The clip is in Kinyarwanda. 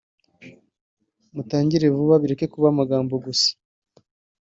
mutangire vuba bireke kuba amagambo gusa